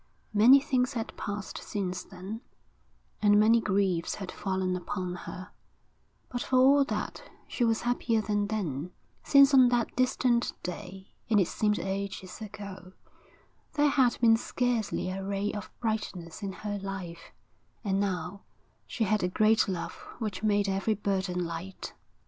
Many things had passed since then, and many griefs had fallen upon her; but for all that she was happier than then; since on that distant day and it seemed ages ago there had been scarcely a ray of brightness in her life, and now she had a great love which made every burden light.